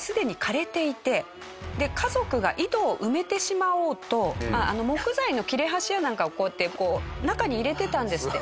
家族が井戸を埋めてしまおうと木材の切れ端やなんかをこうやってこう中に入れてたんですって。